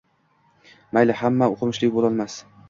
Mayli, hamma oʻqimishli boʻlolmas